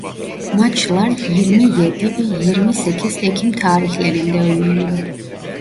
Maçlar yirmi yedi ve yirmi sekiz Ekim tarihlerinde oynandı.